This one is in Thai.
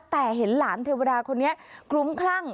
แต่เห็นหลานเทวดาคนนี้คลุ้มคลั่ง